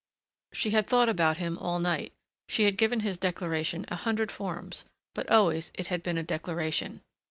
She had thought about him all night. She had given his declaration a hundred forms but always it had been a declaration.